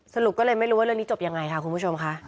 สรุปก็เลยไม่รู้ว่าเรื่องนี้จบยังไงค่ะคุณผู้ชมค่ะ